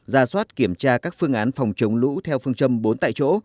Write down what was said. ra soát kiểm tra các phương án phòng chống lũ theo phương châm bốn tại chỗ